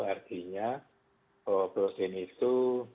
artinya protein itu